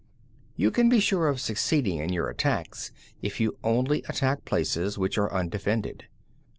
7. You can be sure of succeeding in your attacks if you only attack places which are undefended.